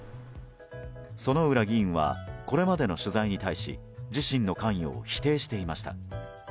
薗浦議員はこれまでの取材に対し自身の関与を否定していました。